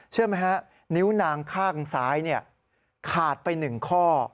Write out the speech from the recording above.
เชื่อไหมฮะนิ้วนางข้างซ้ายขาดไป๑ข้อ